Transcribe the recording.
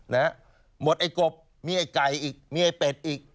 หมดไอ้กบมีไอ้ไก่อีกมีไอ้เป็ดอีก